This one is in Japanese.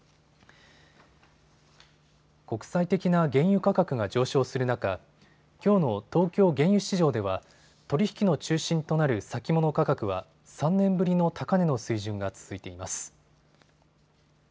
国際的な原油価格が上昇する中、きょうの東京原油市場では取り引きの中心となる先物価格は３年ぶりの高値の水準が続いています。